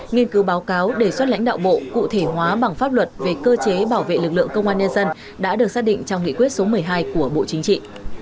nghiên cứu báo cáo đề xuất lãnh đạo bộ cụ thể hóa bằng pháp luật về cơ chế bảo vệ lực lượng công an nhân dân đã được xác định trong nghị quyết số một mươi hai của bộ chính trị